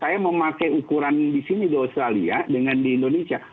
saya memakai ukuran di sini di australia dengan di indonesia